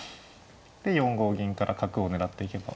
で４五銀から角を狙っていけば。